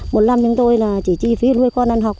một năm chúng tôi là chỉ chi phí nuôi con ăn học